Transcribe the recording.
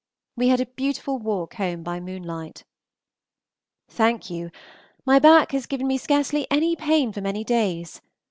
We had a beautiful walk home by moonlight. Thank you, my back has given me scarcely any pain for many days.